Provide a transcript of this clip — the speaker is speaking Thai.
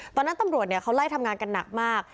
ตอนนั้นตำรวจเนี่ยเขาไล่ทำงานกันหนักมาก